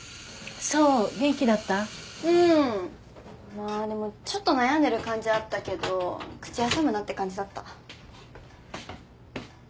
まあでもちょっと悩んでる感じあったけど口挟むなって感じだった。